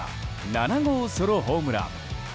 ７号ソロホームラン。